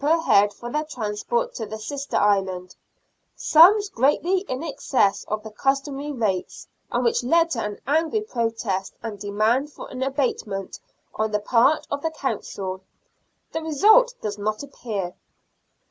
per head for their transport to the sister island, sums greatly in excess of the customary rates, and which led to an angry protest and demand for abatement on the part of the Council. The result does not appear.